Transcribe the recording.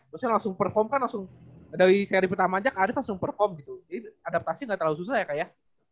maksudnya langsung perform kan langsung dari seri pertama aja ke arief langsung perform gitu jadi adaptasi nggak terlalu susah ya kak ya